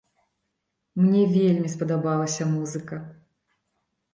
Мне вельмі спадабалася музыка.